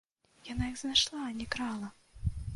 Яна іх знайшла, а не крала!